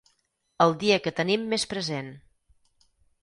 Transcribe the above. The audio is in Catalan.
El dia que tenim més present.